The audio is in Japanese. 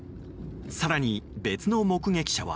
更に、別の目撃者は。